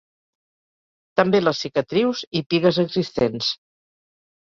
També les cicatrius i pigues existents.